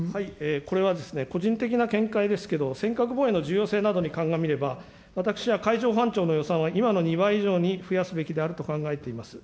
これは個人的な見解ですけど、尖閣防衛の重要性などに鑑みれば、私は海上保安庁の予算は今の２倍以上に増やすべきであると考えています。